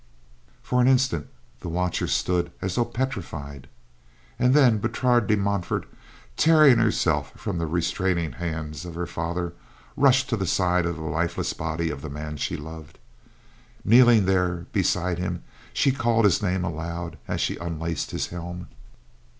For an instant, the watchers stood as though petrified, and then Bertrade de Montfort, tearing herself from the restraining hand of her father, rushed to the side of the lifeless body of the man she loved. Kneeling there beside him she called his name aloud, as she unlaced his helm.